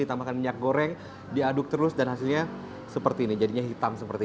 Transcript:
ditambahkan minyak goreng diaduk terus dan hasilnya seperti ini jadinya hitam seperti